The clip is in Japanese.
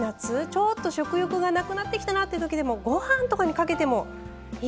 ちょっと食欲がなくなってきたなってときでもご飯とかにかけてもいいかもしれない。